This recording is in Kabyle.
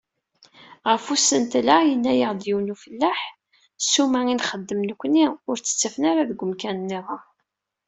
Ɣef usentel-a, yenna-aɣ-d yiwen n ufellaḥ: "Ssuma i nxeddem nekkni, ur tt-ttafen ara deg umkan-nniḍen."